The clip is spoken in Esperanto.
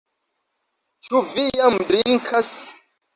Ĉu vi jam drinkas?